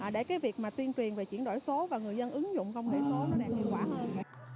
để cái việc mà tuyên truyền về chuyển đổi số và người dân ứng dụng công nghệ số nó này hiệu quả hơn